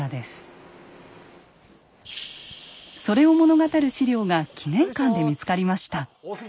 それを物語る資料が記念館で見つかりました。